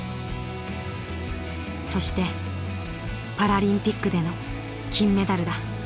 そしてパラリンピックでの金メダルだ。